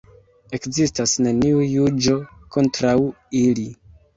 Ekzistas neniu juĝo kontraŭ ili.